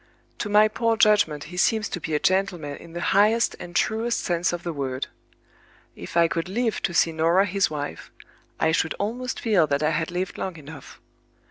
To my poor judgment he seems to be a gentleman in the highest and truest sense of the word. If I could live to see Norah his wife, I should almost feel that I had lived long enough.